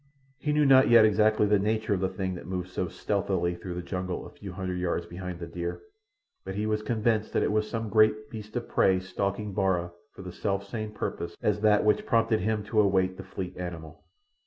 He knew not yet exactly the nature of the thing that moved so stealthily through the jungle a few hundred yards behind the deer; but he was convinced that it was some great beast of prey stalking Bara for the selfsame purpose as that which prompted him to await the fleet animal.